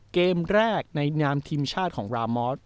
เกมแรกในน้ำทีมชาติของลาม็อต